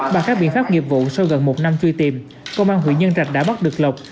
bà khác biện pháp nghiệp vụ sau gần một năm truy tìm công an huyền nhân trạch đã bắt được lộc